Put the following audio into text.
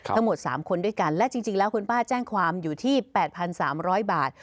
ทั้งหมด๓คนด้วยกันและจริงแล้วคุณป้าแจ้งความอยู่ที่๘๓๐๐บาท